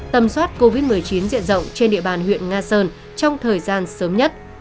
tầm soát covid một mươi chín diện rộng trên địa bàn huyện nga sơn trong thời gian sớm nhất